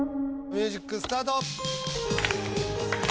ミュージックスタート！